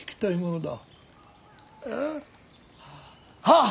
ああ。